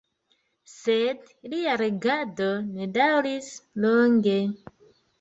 Sed lia regado ne daŭris longe.